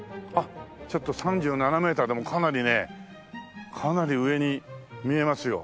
ちょっと３７メーターでもかなりねかなり上に見えますよ。